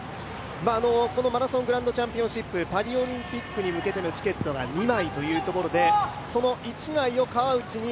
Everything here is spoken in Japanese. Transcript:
このマラソングランドチャンピオンシップ、パリオリンピックに向けてのチケットが２枚というところで、その１枚を川内に。